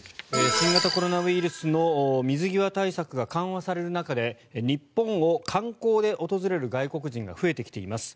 新型コロナウイルスの水際対策が緩和される中で日本を観光で訪れる外国人が増えてきています。